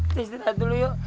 kita istirahat dulu yuk